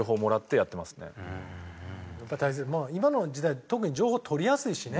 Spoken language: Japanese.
やっぱ大切まあ今の時代特に情報取りやすいしね。